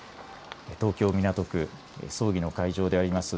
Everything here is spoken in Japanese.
東京港区、葬儀の会場であります